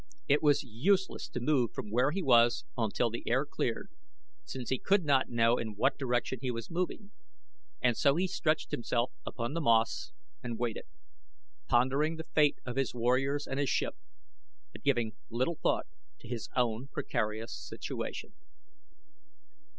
It was useless to move from where he was until the air cleared, since he could not know in what direction he was moving, and so he stretched himself upon the moss and waited, pondering the fate of his warriors and his ship, but giving little thought to his own precarious situation.